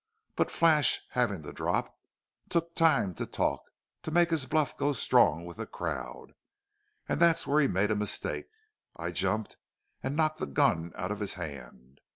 But Flash, having the drop, took time to talk, to make his bluff go strong with the crowd. And that's where he made a mistake. I jumped and knocked the gun out of his hand.